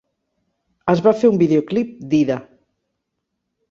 Es va fer un videoclip d'"Ida".